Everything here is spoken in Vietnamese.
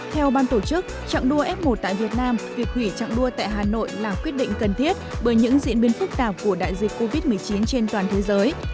theo ban tổ chức trạng đua f một tại việt nam việc hủy chặng đua tại hà nội là quyết định cần thiết bởi những diễn biến phức tạp của đại dịch covid một mươi chín trên toàn thế giới